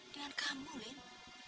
dengan kamu lint